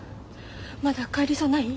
まだ帰りそうにない？